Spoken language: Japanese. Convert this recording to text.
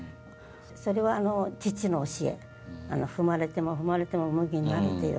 それは、父の教え踏まれても、踏まれても麦のようになれという。